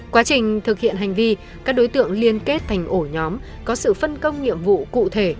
quá trình thực hiện hành vi các đối tượng liên kết thành ổ nhóm có sự phân công nhiệm vụ cụ thể